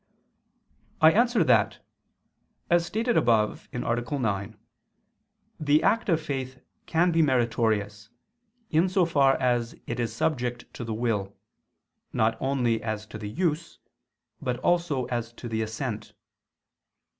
I answer that, As stated above (A. 9), the act of faith can be meritorious, in so far as it is subject to the will, not only as to the use, but also as to the assent.